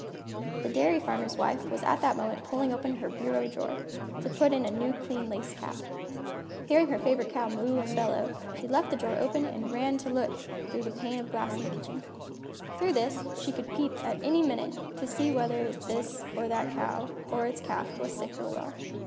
The dairy farmer's wife was at that moment pulling open her bureau drawer, to put on a new clean lace cap. Hearing her favorite cow moo and bellow, she left the drawer open and ran to look through the pane of glass in the kitchen. Through this, she could peep, at any minute, to see whether this or that cow, or its calf, was sick or well.